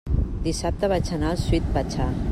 Dissabte vaig anar al Sweet Pachá.